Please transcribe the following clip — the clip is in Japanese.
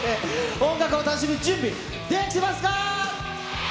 音楽を楽しむ準備、できてますか？